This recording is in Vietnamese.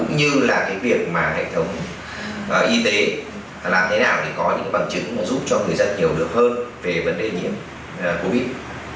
như là cái việc mà hệ thống y tế làm thế nào để có những cái bằng chứng mà giúp cho người dân nhiều được hơn về vấn đề nhiễm covid